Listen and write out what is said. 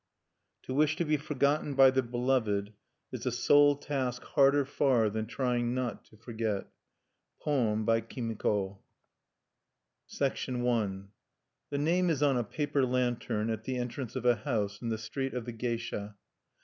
"To wish to be forgotten by the beloved is a soul task harder far than trying not to forget." Poem by Kimiko. I The name is on a paper lantern at the entrance of a house in the Street of the Geisha.